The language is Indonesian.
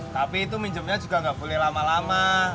tapi itu minjemnya juga nggak boleh lama lama